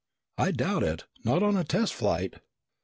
"I doubt it. Not on a test flight."